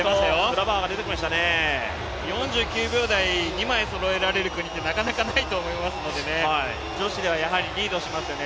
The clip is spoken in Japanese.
４９秒台２枚そろえられる組って、なかなかないと思いますので、女子ではやはりリードしますね。